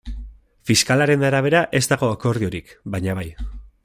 Fiskalaren arabera ez dago akordiorik, baina bai.